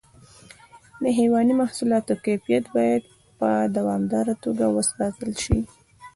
د حیواني محصولاتو کیفیت باید په دوامداره توګه وساتل شي.